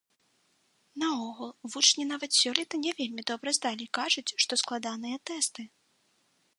Наогул, вучні нават сёлета не вельмі добра здалі, кажуць, што складаныя тэсты.